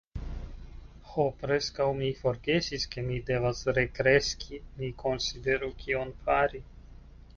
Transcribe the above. Ho, preskaŭ mi forgesis ke mi devas rekreski! Mi konsideru kion fari.